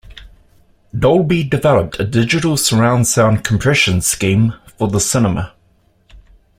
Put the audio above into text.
Dolby developed a digital surround sound compression scheme for the cinema.